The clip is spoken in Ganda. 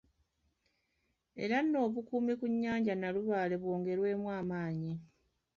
Era n'obukuumi ku nyanja Nnalubaale bwongerwemu amaanyi.